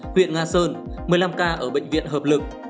huyện nga sơn một mươi năm ca ở bệnh viện hợp lực